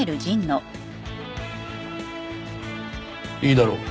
いいだろう。